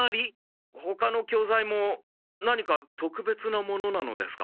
ほかの教材も何かとくべつなものなのですか？